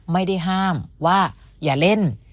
ไม่ได้ห้ามว่าอย่าเล่น